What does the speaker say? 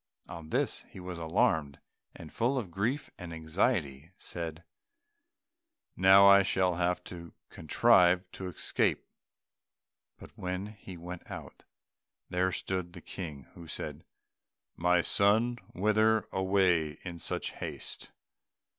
On this he was alarmed, and, full of grief and anxiety, said, "Now I shall have to contrive to escape." But when he went out, there stood the King, who said, "My son, whither away in such haste?